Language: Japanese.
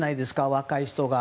若い人が。